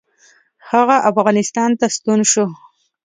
هغه افغانستان ته ستون شو.